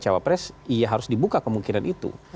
cawapres iya harus dibuka kemungkinan itu